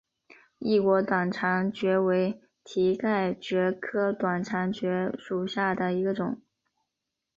异果短肠蕨为蹄盖蕨科短肠蕨属下的一个种。